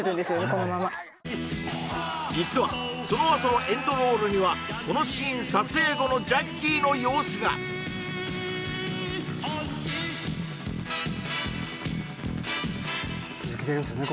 このまま実はそのあとのエンドロールにはこのシーン撮影後のジャッキーの様子が続けてるんですよね